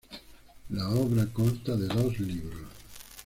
La obra consta de dos libros.